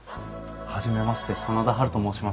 初めまして真田ハルと申します。